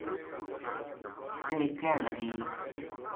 ویہ کہن لگی